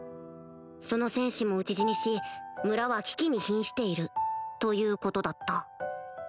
その戦士も討ち死にし村は危機にひんしているということだった